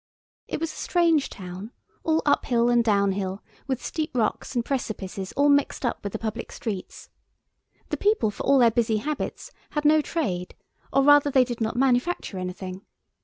It was a strange town, all up hill and down hill, with steep rocks and precipices all mixed up with the public streets. The people, for all their busy habits, had no trade, or rather they did not manufacture anything.